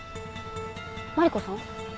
マリコさん？